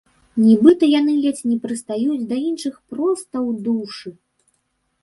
Нібыта яны ледзь не прыстаюць да іншых проста ў д у шы.